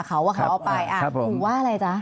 เขาว่าเขาเอาไปกูว่าอะไรจ๊ะ